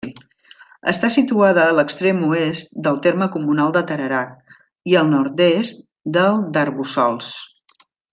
Està situada a l'extrem oest del terme comunal de Tarerac, i al nord-est del d'Arboçols.